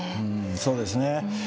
そうですね。